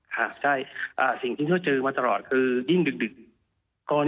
ค่ะใช่คือสิ่งที่เธอเจอมาตลอดคือยิ่งดึก